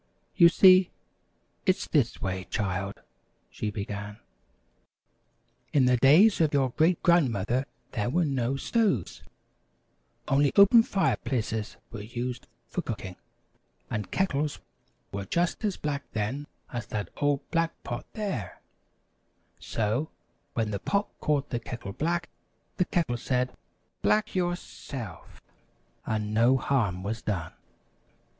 "You see, it's this way, child," she began. "In the days of your great grandmother there were no stoves, only open fireplaces were used for cooking, and kettles were just as black then as that old black Pot there. [Illustration: In the days of your great grandmother] "So, when the Pot called the Kettle black, the Kettle said: "'Black yourself!' and no harm was done.